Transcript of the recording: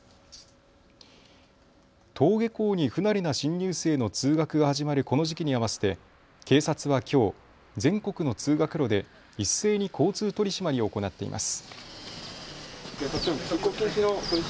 登下校に不慣れな新入生の通学が始まるこの時期に合わせて警察はきょう全国の通学路で一斉に交通取締りを行っています。